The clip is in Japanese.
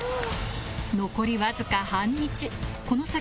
残りわずか半日この先